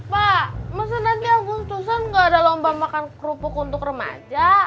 pak masa nanti agus tusan gak ada lomba makan kerupuk untuk remaja